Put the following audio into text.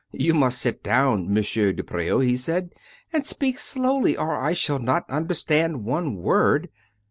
" You must sit down, M. de Preau," he said, " and speak slowly, or I shall not understand one word.